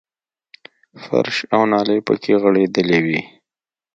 فرش او نالۍ پکې غړېدلې وې.